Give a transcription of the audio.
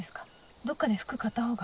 どっかで服買ったほうが。